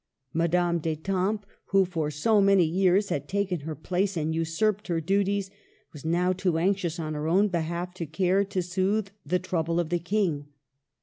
Madame d'Etampes, who for so many years had taken her place and usurped her duties, was now too anxious on her own behalf to care to soothe the trouble of the King.